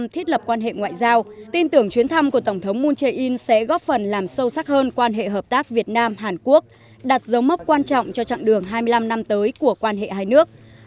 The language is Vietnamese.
thông tin của tổng thống moon jae in sẽ góp phần làm sâu sắc hơn quan hệ hợp tác việt nam hàn quốc đặt dấu mốc quan trọng cho chặng đường hai mươi năm năm tới của quan hệ hai nước